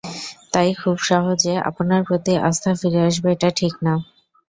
তাই খুব সহজে আপনার প্রতি আস্থা ফিরে আসবে, এটা ঠিক না।